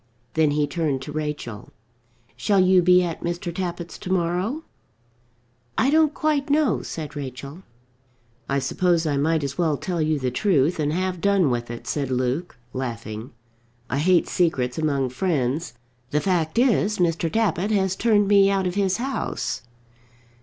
Then he turned to Rachel. "Shall you be at Mr. Tappitt's to morrow?" "I don't quite know," said Rachel. "I suppose I might as well tell you the truth and have done with it," said Luke, laughing. "I hate secrets among friends. The fact is Mr. Tappitt has turned me out of his house."